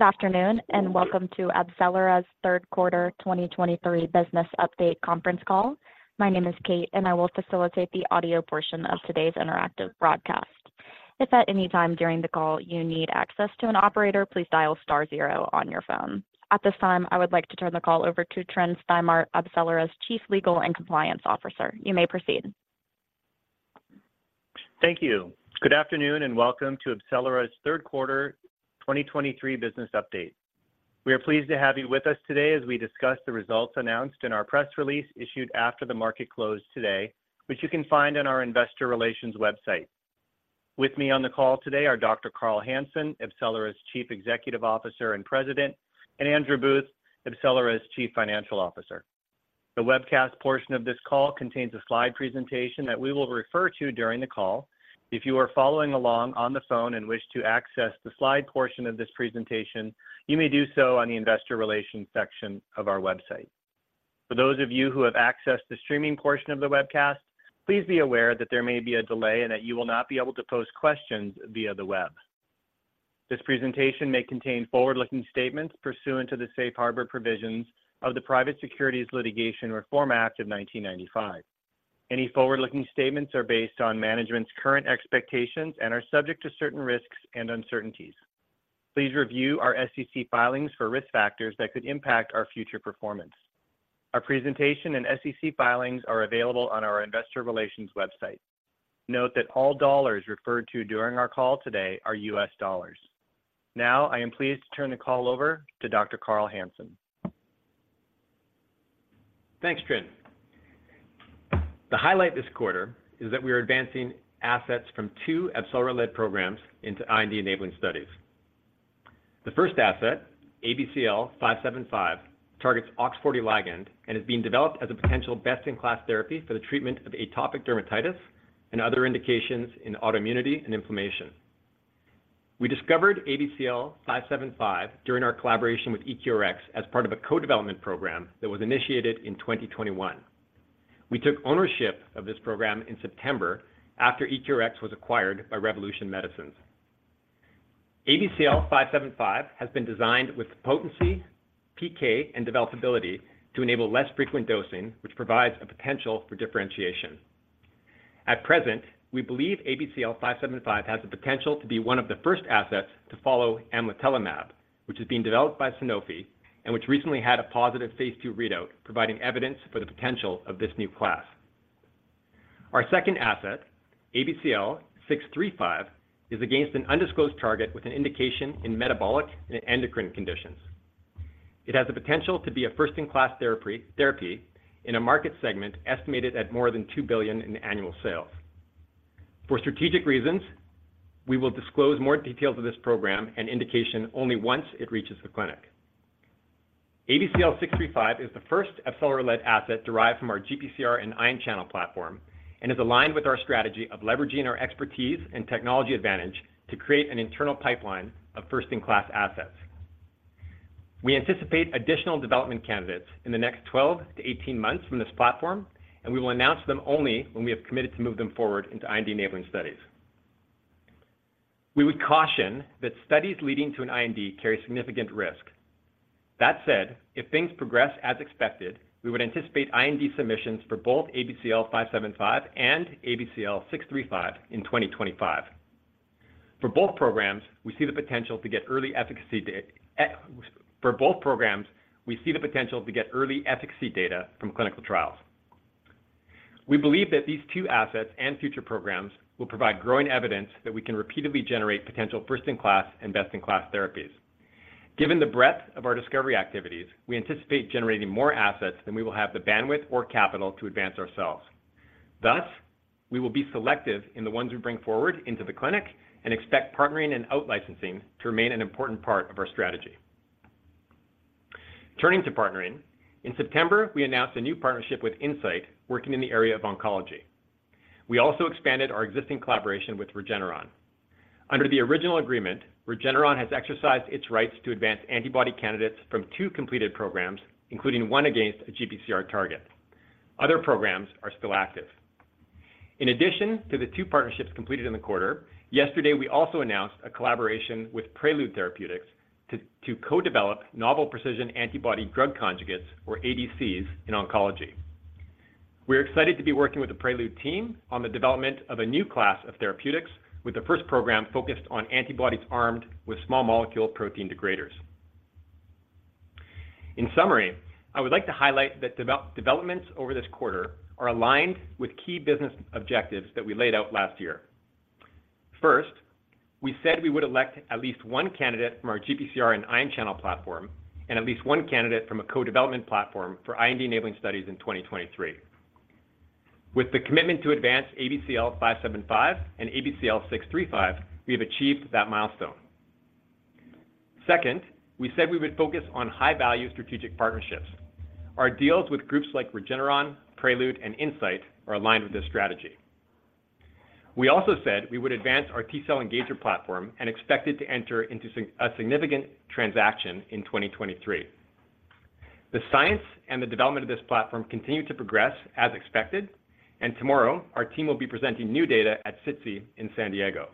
Good afternoon, and welcome to AbCellera's third quarter 2023 business update conference call. My name is Kate, and I will facilitate the audio portion of today's interactive broadcast. If at any time during the call you need access to an operator, please dial star zero on your phone. At this time, I would like to turn the call over to Tryn Stimart, AbCellera's Chief Legal and Compliance Officer. You may proceed. Thank you. Good afternoon, and welcome to AbCellera's third quarter 2023 business update. We are pleased to have you with us today as we discuss the results announced in our press release issued after the market closed today, which you can find on our investor relations website. With me on the call today are Dr. Carl Hansen, AbCellera's Chief Executive Officer and President, and Andrew Booth, AbCellera's Chief Financial Officer. The webcast portion of this call contains a slide presentation that we will refer to during the call. If you are following along on the phone and wish to access the slide portion of this presentation, you may do so on the investor relations section of our website. For those of you who have accessed the streaming portion of the webcast, please be aware that there may be a delay and that you will not be able to pose questions via the web. This presentation may contain forward-looking statements pursuant to the Safe Harbor Provisions of the Private Securities Litigation Reform Act of 1995. Any forward-looking statements are based on management's current expectations and are subject to certain risks and uncertainties. Please review our SEC filings for risk factors that could impact our future performance. Our presentation and SEC filings are available on our investor relations website. Note that all dollars referred to during our call today are US dollars. Now, I am pleased to turn the call over to Dr. Carl Hansen. Thanks, Tryn. The highlight this quarter is that we are advancing assets from two AbCellera-led programs into IND-enabling studies. The first asset, ABCL575, targets OX40 ligand and is being developed as a potential best-in-class therapy for the treatment of atopic dermatitis and other indications in autoimmunity and inflammation. We discovered ABCL575 during our collaboration with EQRx as part of a co-development program that was initiated in 2021. We took ownership of this program in September after EQRx was acquired by Revolution Medicines. ABCL575 has been designed with potency, PK, and developability to enable less frequent dosing, which provides a potential for differentiation. At present, we believe ABCL575 has the potential to be one of the first assets to follow amlitelimab, which is being developed by Sanofi and which recently had a positive Phase II readout, providing evidence for the potential of this new class. Our second asset, ABCL635, is against an undisclosed target with an indication in metabolic and endocrine conditions. It has the potential to be a first-in-class therapy in a market segment estimated at more than $2 billion in annual sales. For strategic reasons, we will disclose more details of this program and indication only once it reaches the clinic. ABCL635 is the first AbCellera-led asset derived from our GPCR and ion channel platform and is aligned with our strategy of leveraging our expertise and technology advantage to create an internal pipeline of first-in-class assets. We anticipate additional development candidates in the next 12 months-18 months from this platform, and we will announce them only when we have committed to move them forward into IND-enabling studies. We would caution that studies leading to an IND carry significant risk. That said, if things progress as expected, we would anticipate IND submissions for both ABCL575 and ABCL635 in 2025. For both programs, we see the potential to get early efficacy data from clinical trials. We believe that these two assets and future programs will provide growing evidence that we can repeatedly generate potential first-in-class and best-in-class therapies. Given the breadth of our discovery activities, we anticipate generating more assets than we will have the bandwidth or capital to advance ourselves. Thus, we will be selective in the ones we bring forward into the clinic and expect partnering and out licensing to remain an important part of our strategy. Turning to partnering, in September, we announced a new partnership with Incyte, working in the area of oncology. We also expanded our existing collaboration with Regeneron. Under the original agreement, Regeneron has exercised its rights to advance antibody candidates from two completed programs, including one against a GPCR target. Other programs are still active. In addition to the two partnerships completed in the quarter, yesterday, we also announced a collaboration with Prelude Therapeutics to co-develop novel precision antibody drug conjugates, or ADCs, in oncology. We're excited to be working with the Prelude team on the development of a new class of therapeutics, with the first program focused on antibodies armed with small molecule protein degraders. In summary, I would like to highlight that developments over this quarter are aligned with key business objectives that we laid out last year. First, we said we would elect at least one candidate from our GPCR and ion channel platform and at least one candidate from a co-development platform for IND-enabling studies in 2023. With the commitment to advance ABCL575 and ABCL635, we have achieved that milestone. Second, we said we would focus on high-value strategic partnerships. Our deals with groups like Regeneron, Prelude and Incyte are aligned with this strategy. We also said we would advance our T-cell engager platform and expected to enter into a significant transaction in 2023.... The science and the development of this platform continue to progress as expected, and tomorrow, our team will be presenting new data at SITC in San Diego.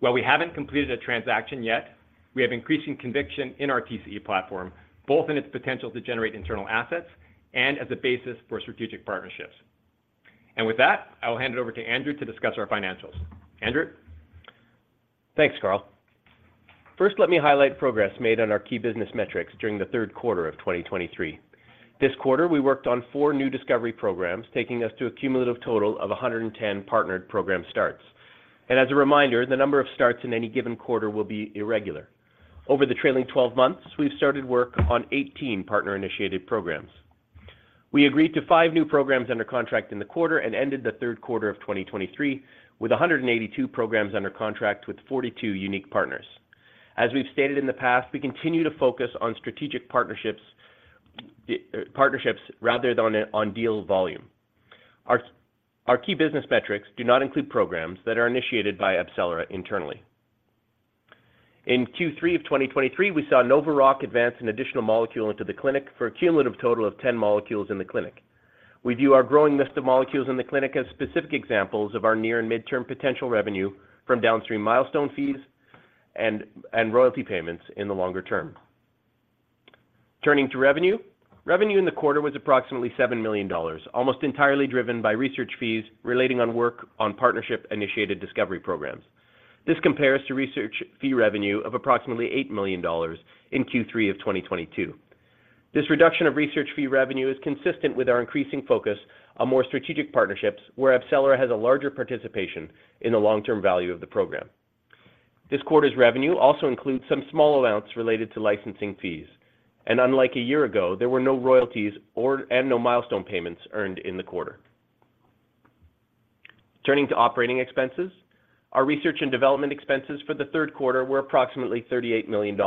While we haven't completed a transaction yet, we have increasing conviction in our TCE platform, both in its potential to generate internal assets and as a basis for strategic partnerships. And with that, I will hand it over to Andrew to discuss our financials. Andrew? Thanks, Carl. First, let me highlight progress made on our key business metrics during the third quarter of 2023. This quarter, we worked on four new discovery programs, taking us to a cumulative total of 110 partnered program starts. As a reminder, the number of starts in any given quarter will be irregular. Over the trailing twelve months, we've started work on 18 partner-initiated programs. We agreed to five new programs under contract in the quarter and ended the third quarter of 2023 with 182 programs under contract with 42 unique partners. As we've stated in the past, we continue to focus on strategic partnerships, partnerships rather than on deal volume. Our key business metrics do not include programs that are initiated by AbCellera internally. In Q3 of 2023, we saw NovaRock advance an additional molecule into the clinic for a cumulative total of 10 molecules in the clinic. We view our growing list of molecules in the clinic as specific examples of our near- and mid-term potential revenue from downstream milestone fees and royalty payments in the longer term. Turning to revenue. Revenue in the quarter was approximately $7 million, almost entirely driven by research fees relating to work on partnership-initiated discovery programs. This compares to research fee revenue of approximately $8 million in Q3 of 2022. This reduction of research fee revenue is consistent with our increasing focus on more strategic partnerships, where AbCellera has a larger participation in the long-term value of the program. This quarter's revenue also includes some small amounts related to licensing fees, and unlike a year ago, there were no royalties and no milestone payments earned in the quarter. Turning to operating expenses. Our research and development expenses for the third quarter were approximately $38 million,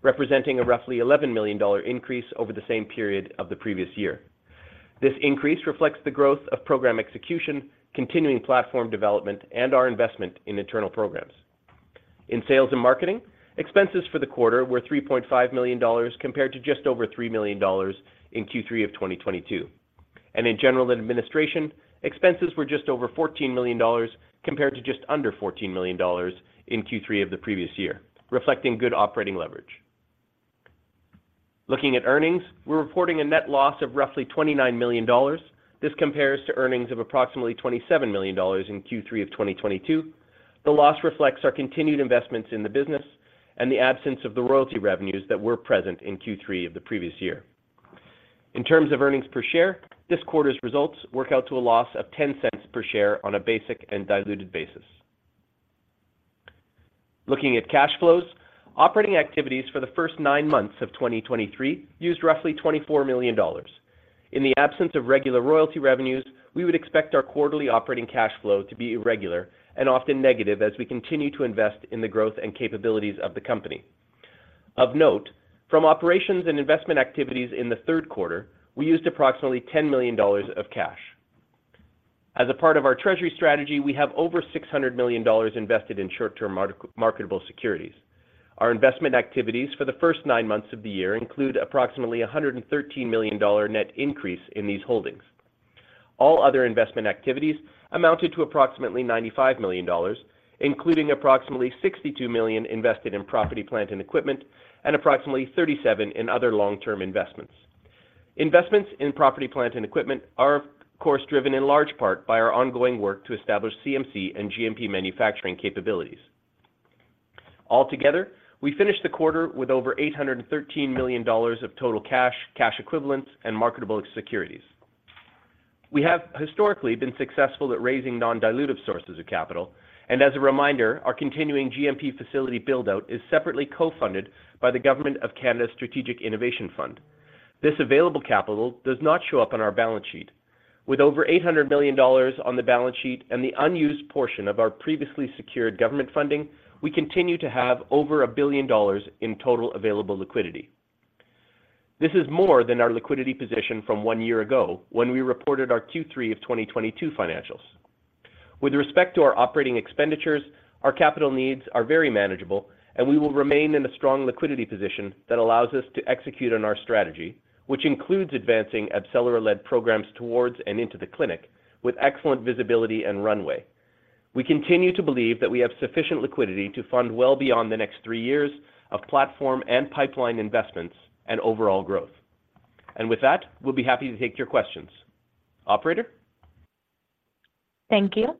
representing a roughly $11 million increase over the same period of the previous year. This increase reflects the growth of program execution, continuing platform development, and our investment in internal programs. In sales and marketing, expenses for the quarter were $3.5 million, compared to just over $3 million in Q3 of 2022. And in general and administration, expenses were just over $14 million, compared to just under $14 million in Q3 of the previous year, reflecting good operating leverage. Looking at earnings, we're reporting a net loss of roughly $29 million. This compares to earnings of approximately $27 million in Q3 of 2022. The loss reflects our continued investments in the business and the absence of the royalty revenues that were present in Q3 of the previous year. In terms of earnings per share, this quarter's results work out to a loss of $0.10 per share on a basic and diluted basis. Looking at cash flows, operating activities for the first nine months of 2023 used roughly $24 million. In the absence of regular royalty revenues, we would expect our quarterly operating cash flow to be irregular and often negative as we continue to invest in the growth and capabilities of the company. Of note, from operations and investment activities in the third quarter, we used approximately $10 million of cash. As a part of our treasury strategy, we have over $600 million invested in short-term marketable securities. Our investment activities for the first nine months of the year include approximately $113 million net increase in these holdings. All other investment activities amounted to approximately $95 million, including approximately $62 million invested in property, plant, and equipment, and approximately $37 million in other long-term investments. Investments in property, plant, and equipment are, of course, driven in large part by our ongoing work to establish CMC and GMP manufacturing capabilities. Altogether, we finished the quarter with over $813 million of total cash, cash equivalents, and marketable securities. We have historically been successful at raising non-dilutive sources of capital, and as a reminder, our continuing GMP facility build-out is separately co-funded by the Government of Canada Strategic Innovation Fund. This available capital does not show up on our balance sheet. With over $800 million on the balance sheet and the unused portion of our previously secured government funding, we continue to have over $1 billion in total available liquidity. This is more than our liquidity position from one year ago, when we reported our Q3 of 2022 financials. With respect to our operating expenditures, our capital needs are very manageable, and we will remain in a strong liquidity position that allows us to execute on our strategy, which includes advancing AbCellera-led programs towards and into the clinic with excellent visibility and runway. We continue to believe that we have sufficient liquidity to fund well beyond the next three years of platform and pipeline investments and overall growth. And with that, we'll be happy to take your questions. Operator? Thank you.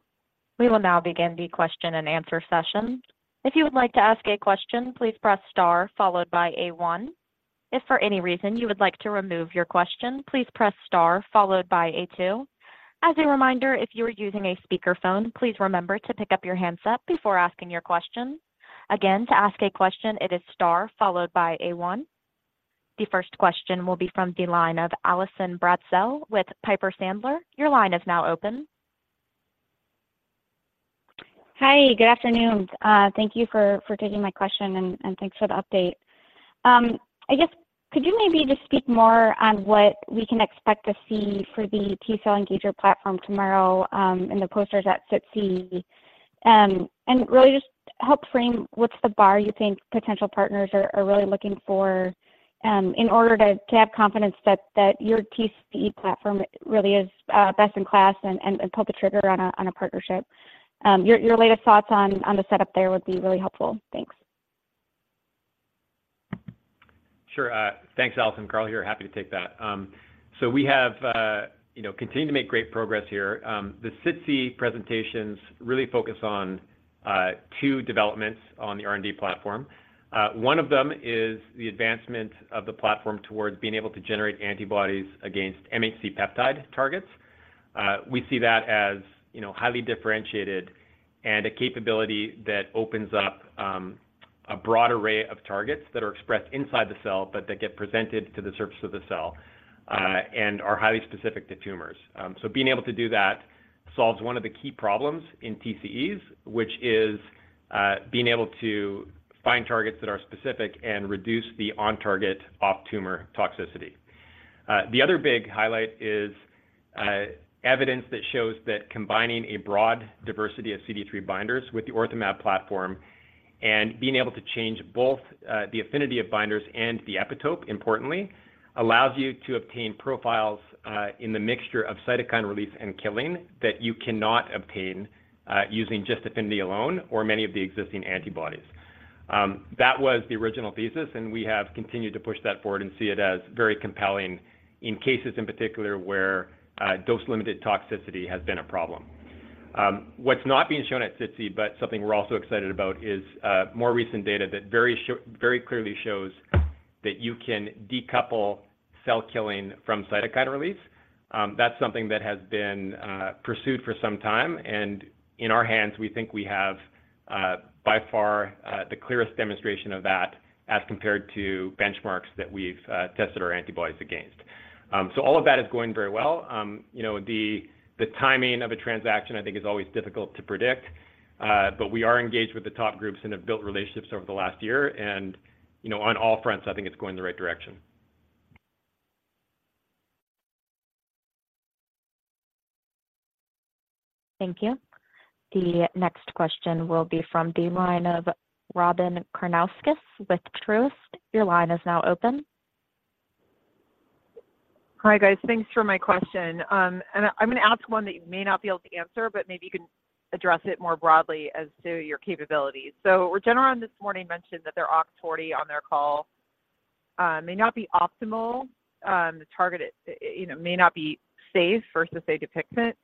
We will now begin the question-and-answer session. If you would like to ask a question, please press star followed by a one. If for any reason you would like to remove your question, please press star followed by A two. As a reminder, if you are using a speakerphone, please remember to pick up your handset before asking your question. Again, to ask a question, it is star followed by A one. The first question will be from the line of Allison Bratzel with Piper Sandler. Your line is now open. Hi, good afternoon. Thank you for taking my question, and thanks for the update. I guess, could you maybe just speak more on what we can expect to see for the T-cell engagement platform tomorrow, in the posters at SITC? And really just help frame what's the bar you think potential partners are really looking for, in order to have confidence that your TCE platform really is best in class and pull the trigger on a partnership. Your latest thoughts on the setup there would be really helpful. Thanks. Sure. Thanks, Allison. Carl here, happy to take that. So we have, you know, continued to make great progress here. The SITC presentations really focus on two developments on the R&D platform. One of them is the advancement of the platform towards being able to generate antibodies against MHC peptide targets. We see that as, you know, highly differentiated and a capability that opens up a broad array of targets that are expressed inside the cell, but that get presented to the surface of the cell and are highly specific to tumors. So being able to do that solves one of the key problems in TCEs, which is being able to find targets that are specific and reduce the on-target off-tumor toxicity. The other big highlight is evidence that shows that combining a broad diversity of CD3 binders with the OrthoMab platform and being able to change both the affinity of binders and the epitope, importantly, allows you to obtain profiles in the mixture of cytokine release and killing that you cannot obtain using just affinity alone or many of the existing antibodies. That was the original thesis, and we have continued to push that forward and see it as very compelling in cases in particular where dose-limited toxicity has been a problem. What's not being shown at SITC, but something we're also excited about, is more recent data that very clearly shows that you can decouple cell killing from cytokine release. That's something that has been pursued for some time, and in our hands, we think we have by far the clearest demonstration of that as compared to benchmarks that we've tested our antibodies against. So all of that is going very well. You know, the, the timing of a transaction I think is always difficult to predict, but we are engaged with the top groups and have built relationships over the last year, and, you know, on all fronts, I think it's going in the right direction. Thank you. The next question will be from the line of Robyn Karnauskas with Truist. Your line is now open. Hi, guys. Thanks for my question. And I'm gonna ask one that you may not be able to answer, but maybe you can address it more broadly as to your capabilities. So Regeneron this morning mentioned that their OX40 on their call may not be optimal, the target, it, you know, may not be safe versus, say, Dupixent.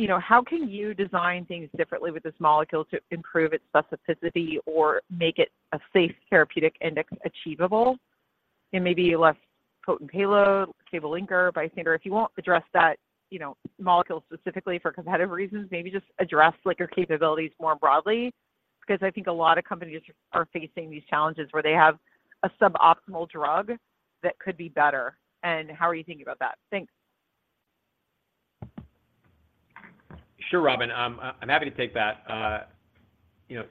You know, how can you design things differently with this molecule to improve its specificity or make it a safe therapeutic index achievable? And maybe less potent payload, cleavable linker, bispecific. If you won't address that, you know, molecule specifically for competitive reasons, maybe just address, like, your capabilities more broadly, because I think a lot of companies are facing these challenges where they have a suboptimal drug that could be better, and how are you thinking about that? Thanks. Sure, Robyn. I'm happy to take that. You know,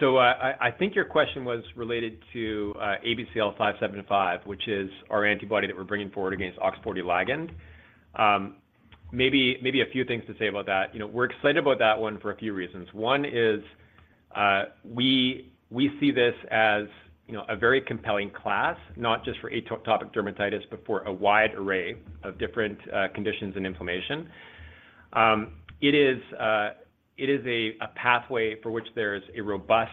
so I, I think your question was related to ABCL575, which is our antibody that we're bringing forward against OX40 ligand. Maybe, maybe a few things to say about that. You know, we're excited about that one for a few reasons. One is, we, we see this as, you know, a very compelling class, not just for atopic dermatitis, but for a wide array of different conditions and inflammation. It is a pathway for which there's a robust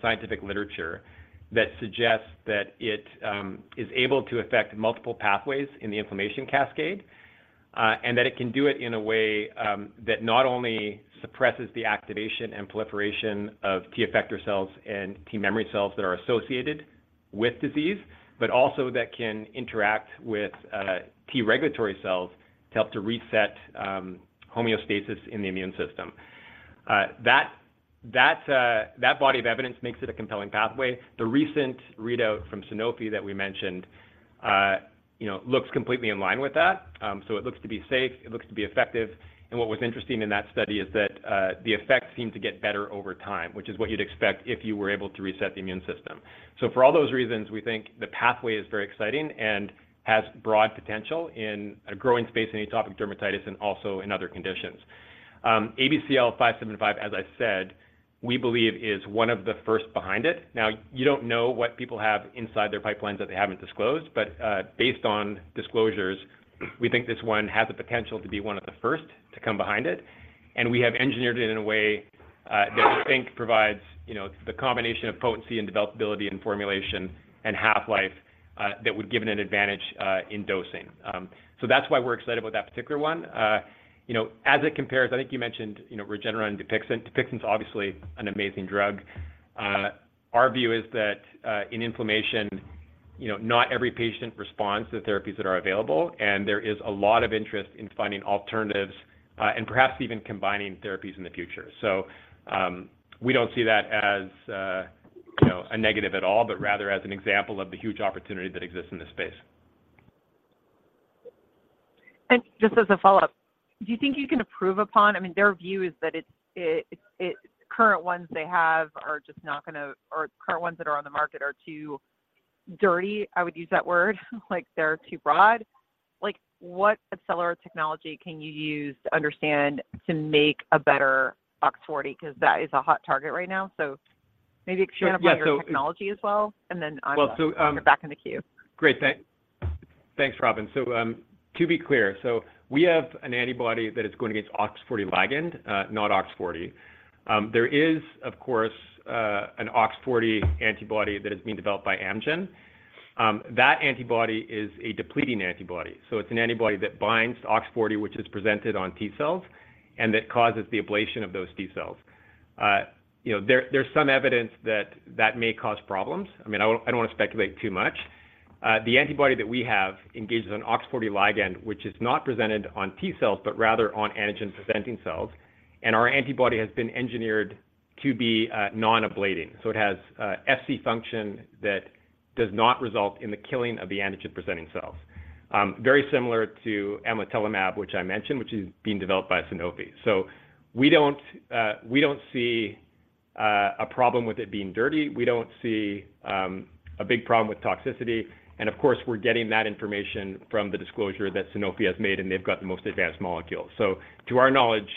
scientific literature that suggests that it is able to affect multiple pathways in the inflammation cascade, and that it can do it in a way that not only suppresses the activation and proliferation of T effector cells and T memory cells that are associated with disease, but also that can interact with T regulatory cells to help to reset homeostasis in the immune system. That body of evidence makes it a compelling pathway. The recent readout from Sanofi that we mentioned, you know, looks completely in line with that. So it looks to be safe, it looks to be effective, and what was interesting in that study is that, the effects seem to get better over time, which is what you'd expect if you were able to reset the immune system. So for all those reasons, we think the pathway is very exciting and has broad potential in a growing space in atopic dermatitis and also in other conditions. ABCL575, as I said, we believe is one of the first behind it. Now, you don't know what people have inside their pipelines that they haven't disclosed, but, based on disclosures, we think this one has the potential to be one of the first to come behind it, and we have engineered it in a way that we think provides, you know, the combination of potency and developability and formulation and half-life that would give it an advantage in dosing. So that's why we're excited about that particular one. You know, as it compares, I think you mentioned, you know, Regeneron, Dupixent. Dupixent's obviously an amazing drug. Our view is that, in inflammation, you know, not every patient responds to therapies that are available, and there is a lot of interest in finding alternatives and perhaps even combining therapies in the future. We don't see that as, you know, a negative at all, but rather as an example of the huge opportunity that exists in this space. Just as a follow-up, do you think you can improve upon—I mean, their view is that current ones they have are just not gonna... or current ones that are on the market are too-... dirty, I would use that word, like they're too broad. Like, what AbCellera technology can you use to understand, to make a better OX40? 'Cause that is a hot target right now, so maybe explain- Yeah, so- about your technology as well, and then I'll- Well, so, - back in the queue. Great, thanks, Robyn. So, to be clear, so we have an antibody that is going against OX40 ligand, not OX40. There is, of course, an OX40 antibody that is being developed by Amgen. That antibody is a depleting antibody, so it's an antibody that binds to OX40, which is presented on T-cells, and that causes the ablation of those T-cells. You know, there's some evidence that that may cause problems. I mean, I don't wanna speculate too much. The antibody that we have engages an OX40 ligand, which is not presented on T-cells, but rather on antigen-presenting cells. And our antibody has been engineered to be non-ablating, so it has Fc function that does not result in the killing of the antigen-presenting cells. Very similar to amlitelimab, which I mentioned, which is being developed by Sanofi. So we don't, we don't see a problem with it being dirty. We don't see a big problem with toxicity, and of course, we're getting that information from the disclosure that Sanofi has made, and they've got the most advanced molecule. So to our knowledge,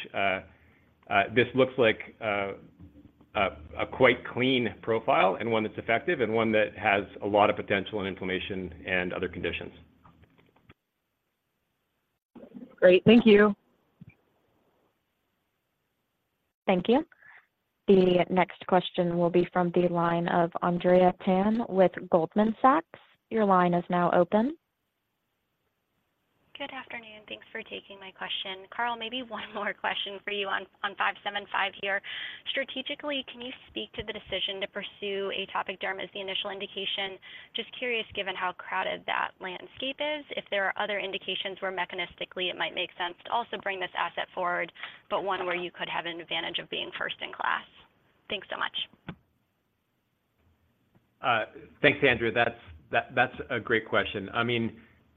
this looks like a quite clean profile and one that's effective and one that has a lot of potential in inflammation and other conditions. Great. Thank you. Thank you. The next question will be from the line of Andrea Tan with Goldman Sachs. Your line is now open. Good afternoon. Thanks for taking my question. Carl, maybe one more question for you on 575 here. Strategically, can you speak to the decision to pursue atopic derm as the initial indication? Just curious, given how crowded that landscape is, if there are other indications where mechanistically it might make sense to also bring this asset forward, but one where you could have an advantage of being first in class. Thanks so much. Thanks, Andrea. That's, that, that's a great question. I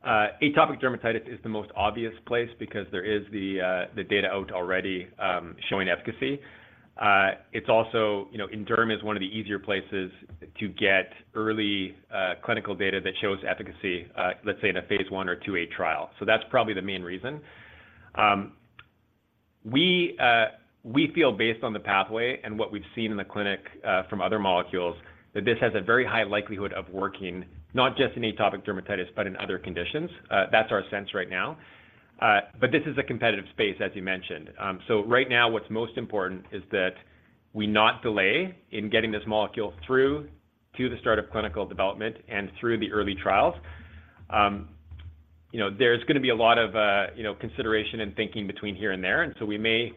mean, atopic dermatitis is the most obvious place because there is the, the data out already, showing efficacy. It's also, you know, in derm is one of the easier places to get early, clinical data that shows efficacy, let's say, in a phase one or two A trial. So that's probably the main reason. We, we feel based on the pathway and what we've seen in the clinic, from other molecules, that this has a very high likelihood of working, not just in atopic dermatitis, but in other conditions. That's our sense right now. But this is a competitive space, as you mentioned. So right now, what's most important is that we not delay in getting this molecule through to the start of clinical development and through the early trials. You know, there's gonna be a lot of, you know, consideration and thinking between here and there, and so we may,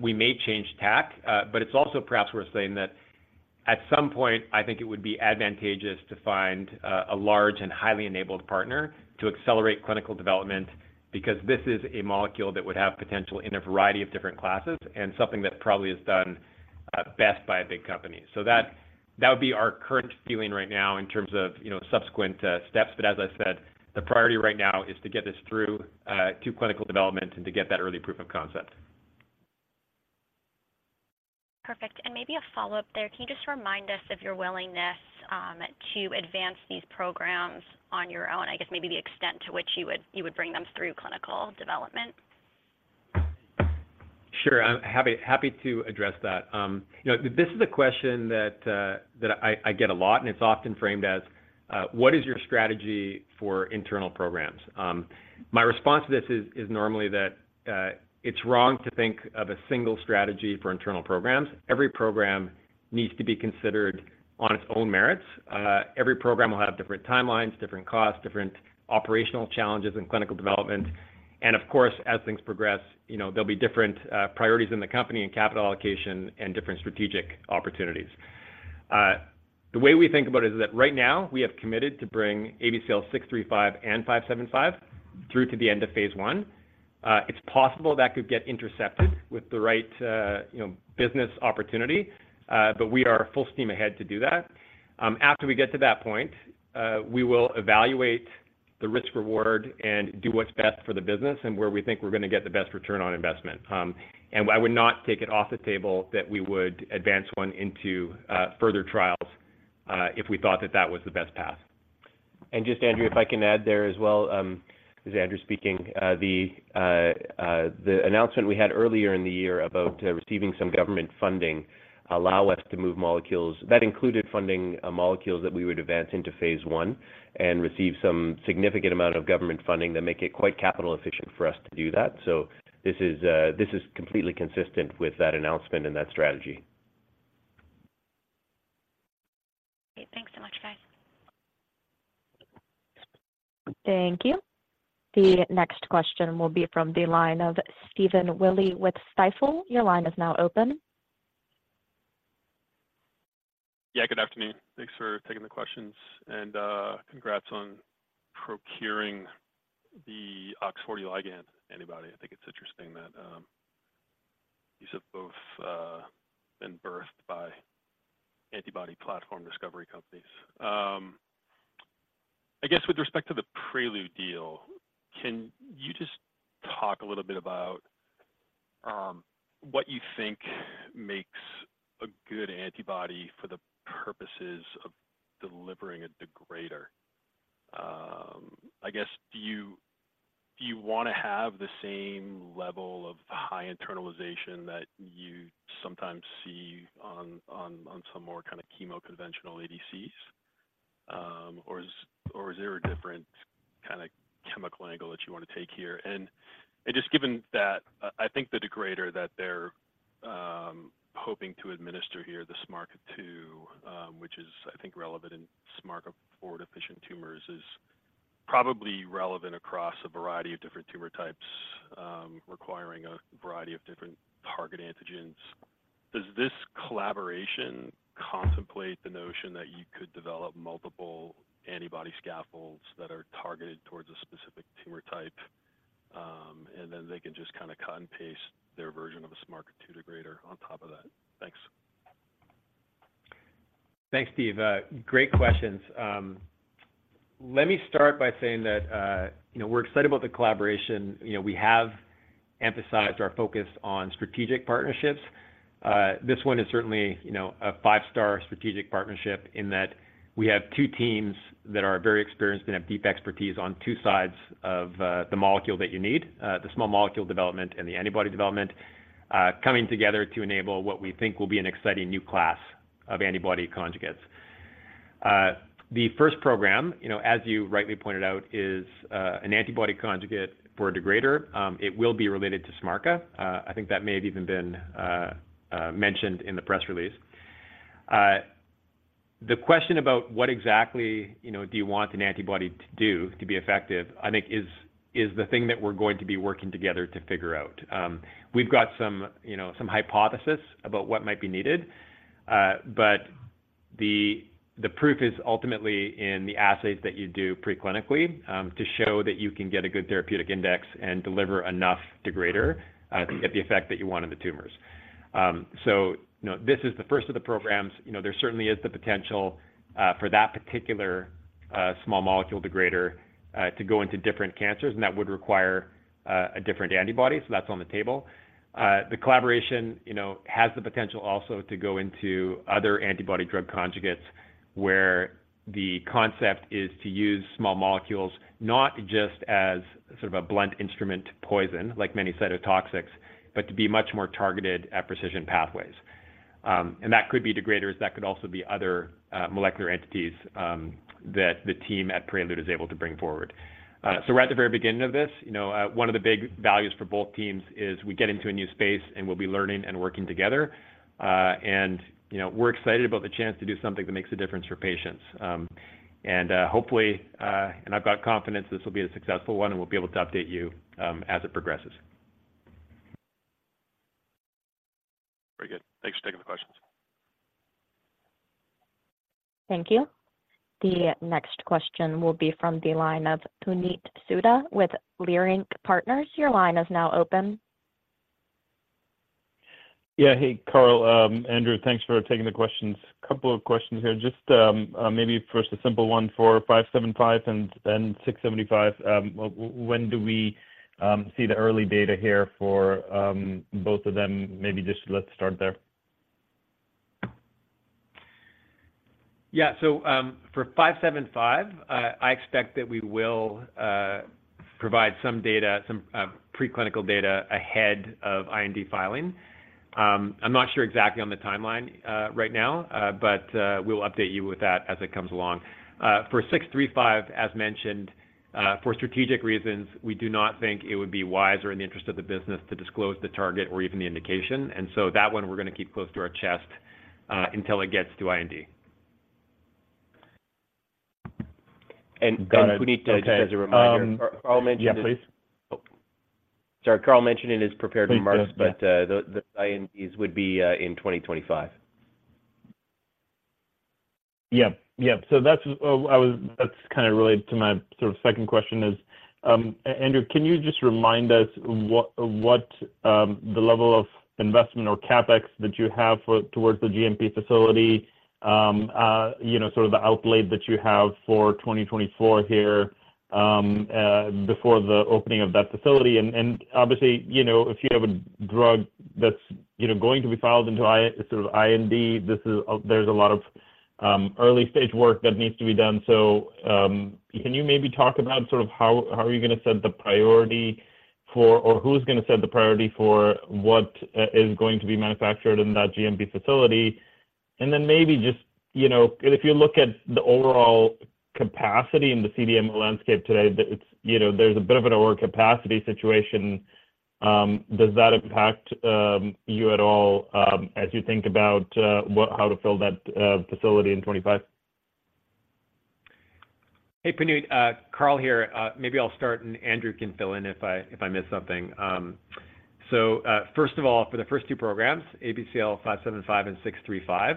we may change tack. But it's also perhaps worth saying that at some point, I think it would be advantageous to find a large and highly enabled partner to accelerate clinical development, because this is a molecule that would have potential in a variety of different classes and something that probably is done best by a big company. So that would be our current viewing right now in terms of, you know, subsequent steps. But as I said, the priority right now is to get this through to clinical development and to get that early proof of concept. Perfect. Maybe a follow-up there. Can you just remind us of your willingness to advance these programs on your own? I guess maybe the extent to which you would bring them through clinical development. Sure. I'm happy, happy to address that. You know, this is a question that, that I, I get a lot, and it's often framed as, what is your strategy for internal programs? My response to this is, is normally that, it's wrong to think of a single strategy for internal programs. Every program needs to be considered on its own merits. Every program will have different timelines, different costs, different operational challenges and clinical development. And of course, as things progress, you know, there'll be different, priorities in the company and capital allocation and different strategic opportunities. The way we think about it is that right now, we have committed to bring ABCL635 and ABCL575 through to the end of phase 1. It's possible that could get intercepted with the right, you know, business opportunity, but we are full steam ahead to do that. After we get to that point, we will evaluate the risk-reward and do what's best for the business and where we think we're gonna get the best return on investment. And I would not take it off the table that we would advance one into further trials, if we thought that that was the best path. And just, Andrea, if I can add there as well. This is Andrew speaking. The announcement we had earlier in the year about receiving some government funding allow us to move molecules. That included funding molecules that we would advance into phase one and receive some significant amount of government funding that make it quite capital efficient for us to do that. So this is completely consistent with that announcement and that strategy. Great. Thanks so much, guys. Thank you. The next question will be from the line of Steven Willey with Stifel. Your line is now open. Yeah, good afternoon. Thanks for taking the questions, and congrats on procuring the OX40 ligand antibody. I think it's interesting that these have both been birthed by antibody platform discovery companies. I guess with respect to the Prelude deal, can you just talk a little bit about-... what you think makes a good antibody for the purposes of delivering a degrader? I guess, do you wanna have the same level of high internalization that you sometimes see on some more kind of chemo conventional ADCs? Or is there a different kind of chemical angle that you wanna take here? And just given that, I think the degrader that they're hoping to administer here, the SMARCA2, which is, I think, relevant in SMARCA4-deficient tumors, is probably relevant across a variety of different tumor types, requiring a variety of different target antigens. Does this collaboration contemplate the notion that you could develop multiple antibody scaffolds that are targeted towards a specific tumor type, and then they can just kind of cut and paste their version of a SMARCA2 degrader on top of that? Thanks. Thanks, Steve. Great questions. Let me start by saying that, you know, we're excited about the collaboration. You know, we have emphasized our focus on strategic partnerships. This one is certainly, you know, a five-star strategic partnership in that we have two teams that are very experienced and have deep expertise on two sides of the molecule that you need, the small molecule development and the antibody development, coming together to enable what we think will be an exciting new class of antibody conjugates. The first program, you know, as you rightly pointed out, is an antibody conjugate for a degrader. It will be related to SMARCA. I think that may have even been mentioned in the press release. The question about what exactly, you know, do you want an antibody to do to be effective, I think is the thing that we're going to be working together to figure out. We've got some, you know, some hypothesis about what might be needed, but the proof is ultimately in the assays that you do preclinically to show that you can get a good therapeutic index and deliver enough degrader to get the effect that you want in the tumors. So, you know, this is the first of the programs. You know, there certainly is the potential for that particular small molecule degrader to go into different cancers, and that would require a different antibody, so that's on the table. The collaboration, you know, has the potential also to go into other antibody drug conjugates, where the concept is to use small molecules, not just as sort of a blunt instrument poison, like many cytotoxics, but to be much more targeted at precision pathways. And that could be degraders, that could also be other molecular entities that the team at Prelude is able to bring forward. So we're at the very beginning of this. You know, one of the big values for both teams is we get into a new space, and we'll be learning and working together. And, you know, we're excited about the chance to do something that makes a difference for patients. And, hopefully, and I've got confidence this will be a successful one, and we'll be able to update you as it progresses. Very good. Thanks for taking the questions. Thank you. The next question will be from the line of Puneet Souda with Leerink Partners. Your line is now open. Yeah. Hey, Carl. Andrew, thanks for taking the questions. Couple of questions here. Just maybe first, a simple one for ABCL575 and then ABCL635. When do we see the early data here for both of them? Maybe just let's start there. Yeah. So, for 575, I expect that we will provide some data, some preclinical data ahead of IND filing. I'm not sure exactly on the timeline right now, but we'll update you with that as it comes along. For 635, as mentioned, for strategic reasons, we do not think it would be wise or in the interest of the business to disclose the target or even the indication. And so that one, we're gonna keep close to our chest until it gets to IND. Got it. Puneet, just as a reminder, Carl mentioned this- Yeah, please. Oh, sorry. Carl mentioned it in his prepared remarks- Please, yes... but, the INDs would be in 2025. Yeah. Yeah. So that's, That's kind of related to my sort of second question is, Andrew, can you just remind us what the level of investment or CapEx that you have for towards the GMP facility, you know, sort of the outlay that you have for 2024 here, before the opening of that facility? And obviously, you know, if you have a drug that's, you know, going to be filed into sort of IND, this is, there's a lot of early-stage work that needs to be done. So, can you maybe talk about sort of how are you gonna set the priority for, or who's gonna set the priority for what is going to be manufactured in that GMP facility? Then maybe just, you know, if you look at the overall capacity in the CDMO landscape today, that it's, you know, there's a bit of an overcapacity situation, does that impact you at all, as you think about how to fill that facility in 2025? Hey, Puneet. Carl here. Maybe I'll start, and Andrew can fill in if I miss something. So, first of all, for the first two programs, ABCL575 and 635,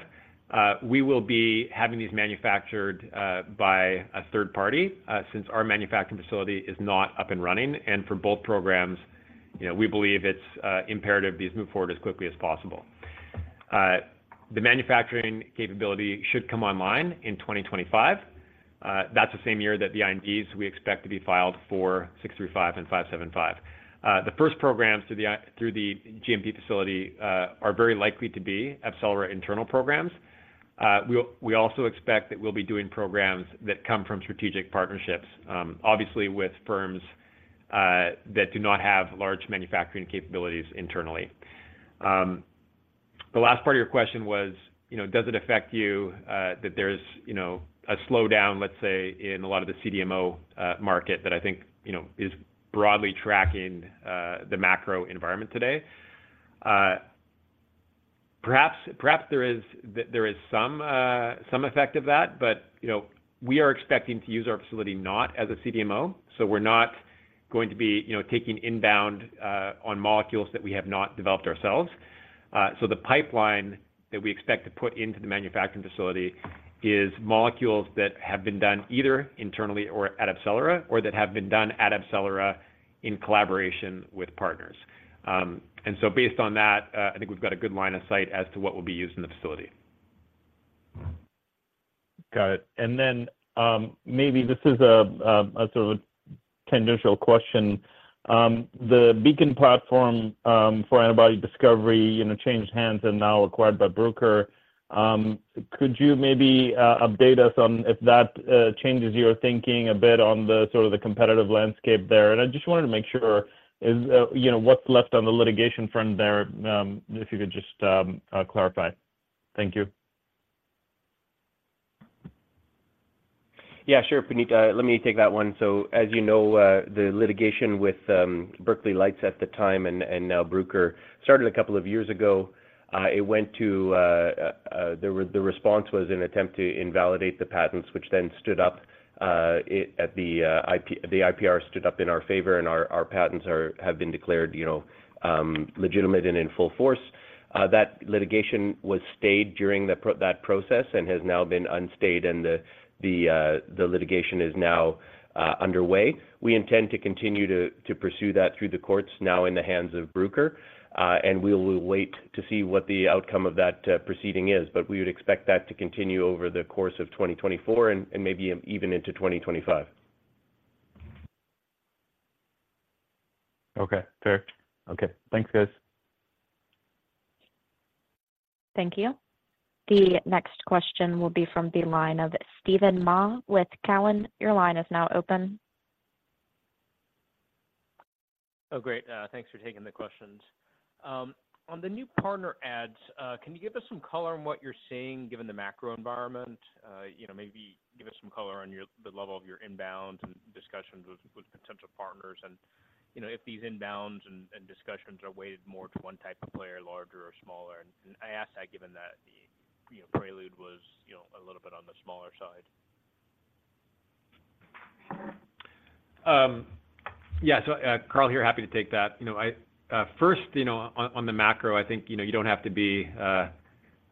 we will be having these manufactured by a third party since our manufacturing facility is not up and running. For both programs, you know, we believe it's imperative these move forward as quickly as possible. The manufacturing capability should come online in 2025. That's the same year that the INDs we expect to be filed for 635 and 575. The first programs through the GMP facility are very likely to be AbCellera internal programs. We also expect that we'll be doing programs that come from strategic partnerships, obviously with firms that do not have large manufacturing capabilities internally. The last part of your question was, you know, does it affect you that there's, you know, a slowdown, let's say, in a lot of the CDMO market that I think, you know, is broadly tracking the macro environment today? Perhaps there is some effect of that, but, you know, we are expecting to use our facility not as a CDMO, so we're not going to be, you know, taking inbound on molecules that we have not developed ourselves. So the pipeline that we expect to put into the manufacturing facility is molecules that have been done either internally or at AbCellera, or that have been done at AbCellera in collaboration with partners. So based on that, I think we've got a good line of sight as to what will be used in the facility. Got it. And then, maybe this is a sort of a tangential question. The Beacon platform for antibody discovery, you know, changed hands and now acquired by Bruker. Could you maybe update us on if that changes your thinking a bit on the sort of the competitive landscape there? And I just wanted to make sure is, you know, what's left on the litigation front there, if you could just clarify. Thank you. Yeah, sure, Puneet. Let me take that one. So as you know, the litigation with, Berkeley Lights at the time, and now Bruker, started a couple of years ago. It went to, the response was an attempt to invalidate the patents, which then stood up, it at the, the IPR stood up in our favor, and our patents have been declared, you know, legitimate and in full force. That litigation was stayed during that process and has now been unstayed, and the litigation is now underway. We intend to continue to pursue that through the courts, now in the hands of Bruker, and we will wait to see what the outcome of that proceeding is. We would expect that to continue over the course of 2024 and maybe even into 2025. Okay, fair. Okay. Thanks, guys. Thank you. The next question will be from the line of Steven Mah with TD Cowen. Your line is now open. Oh, great. Thanks for taking the questions. On the new partner adds, can you give us some color on what you're seeing, given the macro environment? You know, maybe give us some color on the level of your inbounds and discussions with potential partners. And, you know, if these inbounds and discussions are weighted more to one type of player, larger or smaller. And I ask that given that the, you know, Prelude was, you know, a little bit on the smaller side. Yeah. So, Carl here, happy to take that. You know, first, you know, on, on the macro, I think, you know, you don't have to be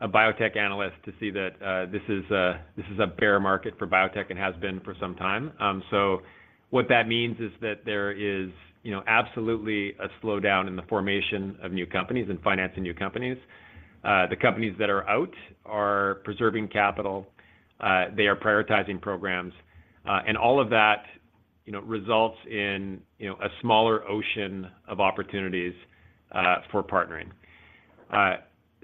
a biotech analyst to see that this is a bear market for biotech and has been for some time. So what that means is that there is, you know, absolutely a slowdown in the formation of new companies and financing new companies. The companies that are out are preserving capital, they are prioritizing programs, and all of that, you know, results in, you know, a smaller ocean of opportunities for partnering.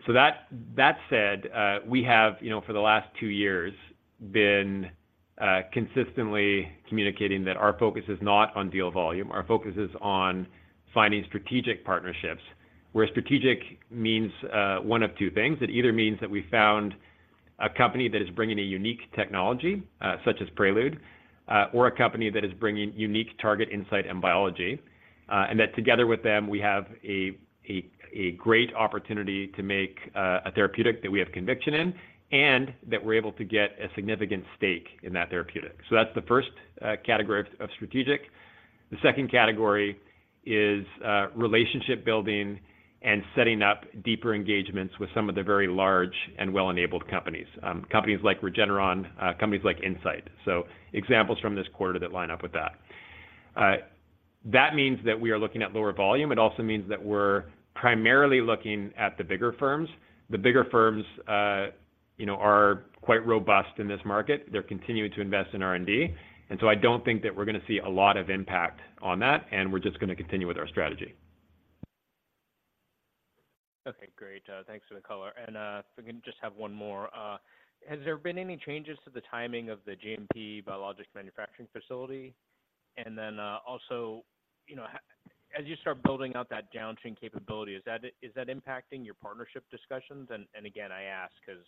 So that, that said, we have, you know, for the last two years, been consistently communicating that our focus is not on deal volume. Our focus is on finding strategic partnerships, where strategic means one of two things. It either means that we found a company that is bringing a unique technology, such as Prelude, or a company that is bringing unique target incyte and biology, and that together with them, we have a great opportunity to make a therapeutic that we have conviction in, and that we're able to get a significant stake in that therapeutic. So that's the first category of strategic. The second category is relationship building and setting up deeper engagements with some of the very large and well-enabled companies, companies like Regeneron, companies like Incyte. So examples from this quarter that line up with that. That means that we are looking at lower volume. It also means that we're primarily looking at the bigger firms. The bigger firms, you know, are quite robust in this market. They're continuing to invest in R&D, and so I don't think that we're gonna see a lot of impact on that, and we're just gonna continue with our strategy. Okay, great. Thanks for the color. And, if we can just have one more. Has there been any changes to the timing of the GMP biologic manufacturing facility? And then, also, you know, as you start building out that downstream capability, is that impacting your partnership discussions? And again, I ask because,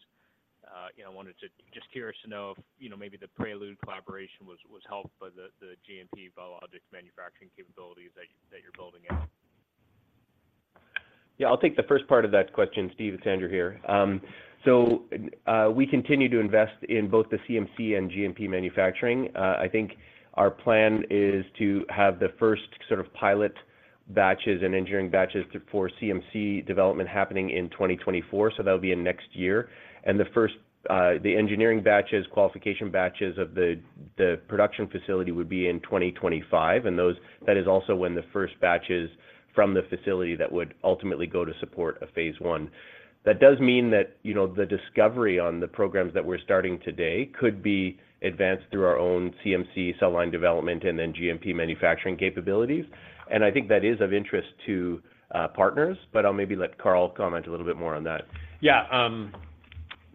you know, I wanted to... Just curious to know if, you know, maybe the Prelude collaboration was helped by the GMP biologic manufacturing capabilities that you're building out. Yeah, I'll take the first part of that question, Steve. It's Andrew here. So, we continue to invest in both the CMC and GMP manufacturing. I think our plan is to have the first sort of pilot batches and engineering batches for CMC development happening in 2024, so that'll be in next year. And the first, the engineering batches, qualification batches of the production facility would be in 2025, and that is also when the first batches from the facility that would ultimately go to support a phase 1. That does mean that, you know, the discovery on the programs that we're starting today could be advanced through our own CMC cell line development and then GMP manufacturing capabilities. I think that is of interest to partners, but I'll maybe let Carl comment a little bit more on that. Yeah,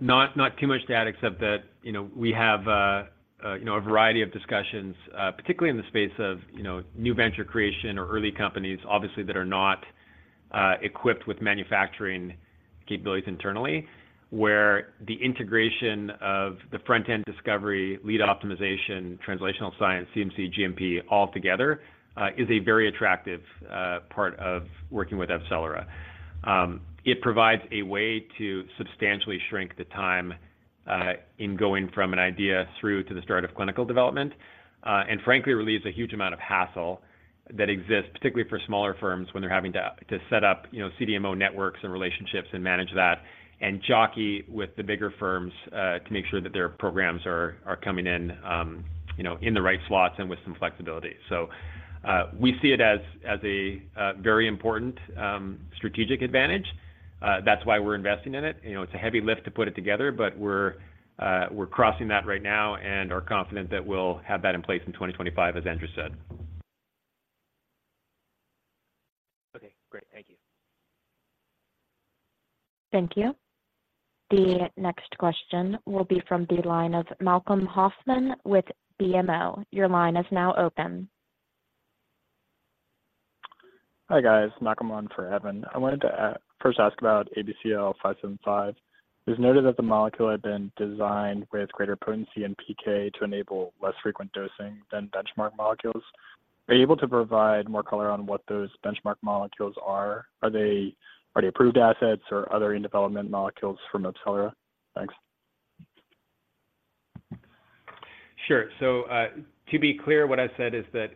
not too much to add, except that, you know, we have a you know, a variety of discussions, particularly in the space of, you know, new venture creation or early companies, obviously, that are not equipped with manufacturing capabilities internally, where the integration of the front-end discovery, lead optimization, translational science, CMC, GMP all together is a very attractive part of working with AbCellera. It provides a way to substantially shrink the time in going from an idea through to the start of clinical development, and frankly, relieves a huge amount of hassle that exists, particularly for smaller firms when they're having to set up, you know, CDMO networks and relationships and manage that, and jockey with the bigger firms to make sure that their programs are coming in, you know, in the right slots and with some flexibility. We see it as a very important strategic advantage. That's why we're investing in it. You know, it's a heavy lift to put it together, but we're crossing that right now and are confident that we'll have that in place in 2025, as Andrew said. Okay, great. Thank you. Thank you. The next question will be from the line of Malcolm Hoffman with BMO. Your line is now open. Hi, guys. Malcolm, on for Evan. I wanted to first ask about ABCL575. It was noted that the molecule had been designed with greater potency and PK to enable less frequent dosing than benchmark molecules. Are you able to provide more color on what those benchmark molecules are? Are they approved assets or other in-development molecules from AbCellera? Thanks. Sure. So, to be clear, what I said is that,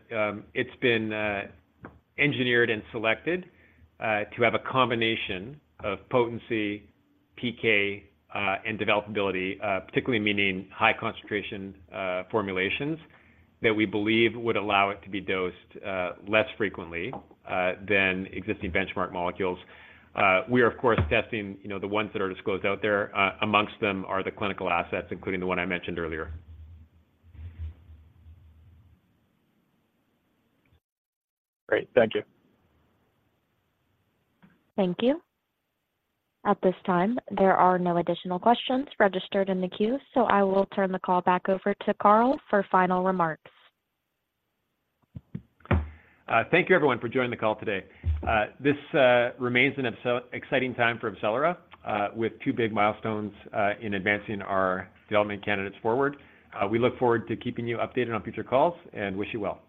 it's been, engineered and selected, to have a combination of potency, PK, and developability, particularly meaning high concentration, formulations, that we believe would allow it to be dosed, less frequently, than existing benchmark molecules. We are, of course, testing, you know, the ones that are disclosed out there. Among them are the clinical assets, including the one I mentioned earlier. Great. Thank you. Thank you. At this time, there are no additional questions registered in the queue, so I will turn the call back over to Carl for final remarks. Thank you, everyone, for joining the call today. This remains an exciting time for AbCellera, with two big milestones in advancing our development candidates forward. We look forward to keeping you updated on future calls and wish you well.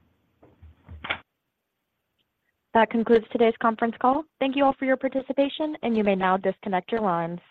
That concludes today's conference call. Thank you all for your participation, and you may now disconnect your lines.